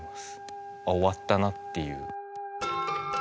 あ終わったなっていう。